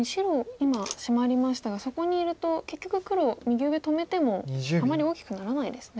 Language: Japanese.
今シマりましたがそこにいると結局黒右上止めてもあまり大きくならないですね。